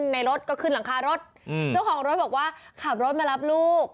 ในรถก็ขึ้นหลังคารถเจ้าของรถบอกว่าขับรถมารับลูก